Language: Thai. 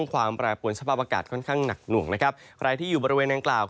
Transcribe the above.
ความแปรปวนสภาพอากาศค่อนข้างหนักหน่วงนะครับใครที่อยู่บริเวณนางกล่าว